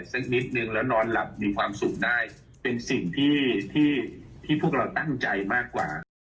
สักนิดนึงแล้วนอนหลับมีความสุขได้เป็นสิ่งที่ที่พวกเราตั้งใจมากกว่า